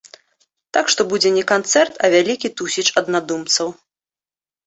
Так што будзе не канцэрт, а вялікі тусіч аднадумцаў.